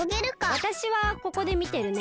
わたしはここでみてるね。